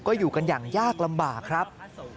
ก็อยู่กันอย่างยากลำบากครับ